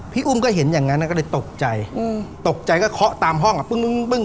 พี่อุ้มก็เห็นอย่างงั้นนะก็เลยตกใจอืมตกใจก็เคาะตามห้องอะปึ้งปึ้งปึ้ง